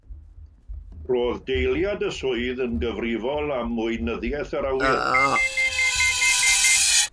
Roedd deiliad y swydd yn gyfrifol am Weinyddiaeth yr Awyr.